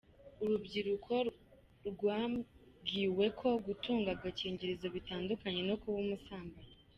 Urubyiruko rwabwiwe ko gutunga agakingirizo bitandukanye no kuba umusambanyi